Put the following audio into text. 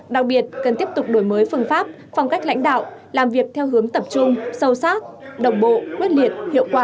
đặc biệt cần tiếp tục đổi mới phương pháp phong cách lãnh đạo làm việc theo hướng tập trung sâu sắc đồng bộ quyết liệt hiệu quả